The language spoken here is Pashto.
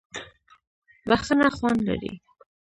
بښنه خوند لري.